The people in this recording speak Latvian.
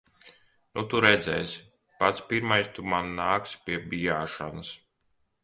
Nu tu redzēsi. Pats pirmais tu man nāksi pie bijāšanas.